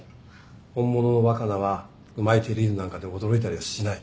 本物の若菜はうまいテリーヌなんかで驚いたりはしない。